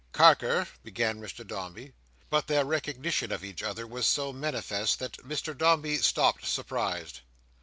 "Carker—" began Mr Dombey. But their recognition of each other was so manifest, that Mr Dombey stopped surprised.